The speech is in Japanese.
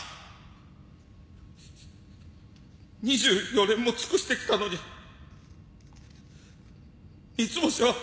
２４年も尽くしてきたのに三ツ星は。